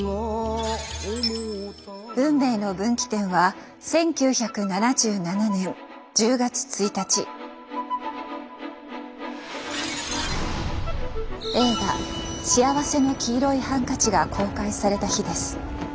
運命の分岐点は映画「幸福の黄色いハンカチ」が公開された日です。